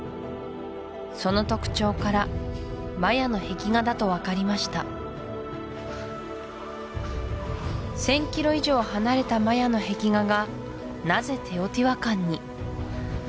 その特徴からマヤの壁画だと分かりました１０００ｋｍ以上離れたマヤの壁画がなぜテオティワカンに？